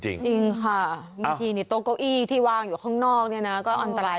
จริงค่ะบางทีตัวก้วยี่ที่วางอยู่ข้างนอกนี่นะ